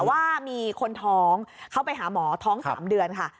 ว่ามีคนท้องเขาไปหาหมอท้อง๓เดือนค่ะ